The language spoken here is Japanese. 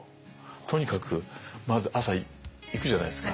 とにかくまず朝行くじゃないですか。